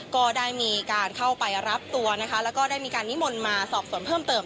ก็ได้มีการเข้าไปรับตัวนะคะแล้วก็ได้มีการนิมนต์มาสอบส่วนเพิ่มเติม